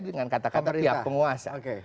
dengan kata kata pihak penguasa